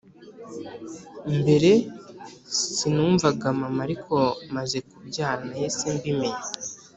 Mbere si numvaga mama ariko maze kubyara nahise mbimenya